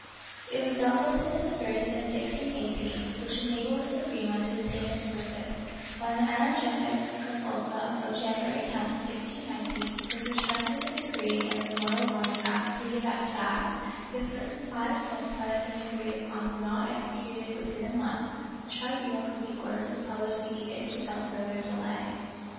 It was doubtless his disgrace, in 1618, which enabled the Suprema to attain its purpose, when an energetic consulta of January 10, 1619, was returned with a decree in the royal autograph to the effect that, if certain five points that had been agreed upon were not executed within a month, the tribunal could be ordered to publish the edicts without further delay